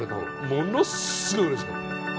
ものすごいうれしかった。